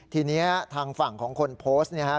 ทีนี้ทางฝั่งของคนโพสต์เนี่ยครับ